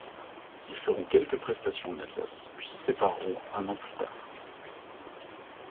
Ils feront quelques prestations en Alsace puis se séparerons un an plus tard.